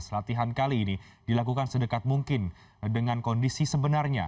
latihan kali ini dilakukan sedekat mungkin dengan kondisi sebenarnya